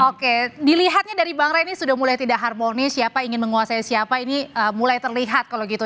oke dilihatnya dari bang ray ini sudah mulai tidak harmonis siapa ingin menguasai siapa ini mulai terlihat kalau gitu